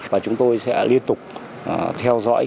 và chúng tôi sẽ liên tục theo dõi